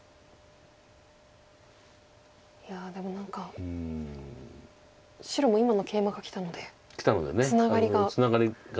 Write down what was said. いやでも何か白も今のケイマがきたのでツナガリが。